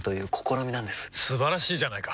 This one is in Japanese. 素晴らしいじゃないか！